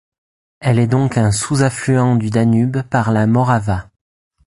Elle est donc un sous-affluent du Danube par la Morava.